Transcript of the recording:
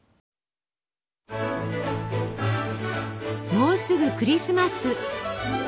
もうすぐクリスマス！